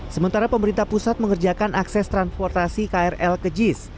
sementara pemerintah pusat mengerjakan akses transportasi krl ke jis